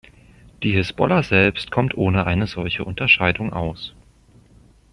Die Hisbollah selbst kommt ohne eine solche Unterscheidung aus.